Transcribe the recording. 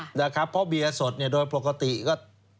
เพราะว่าเบียร์สดโดยปกติก็